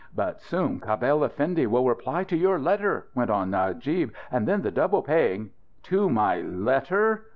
"But soon Cabell Effendi will reply to your letter," went on Najib. "And then the double paying " "To my letter!"